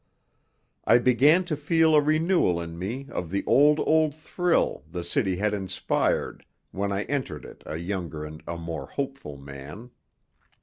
I began to feel a renewal in me of the old, old thrill the city had inspired when I entered it a younger and a more hopeful man.